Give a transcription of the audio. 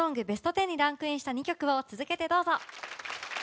ベスト１０にランクインした２曲を続けてどうぞ。